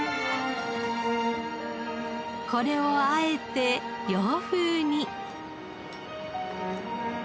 これを和えて洋風に。